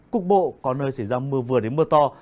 cục bộ có nơi xảy ra mưa vừa đến mưa to